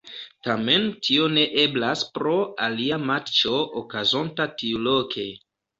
Tamen tio ne eblas pro alia matĉo okazonta tiuloke.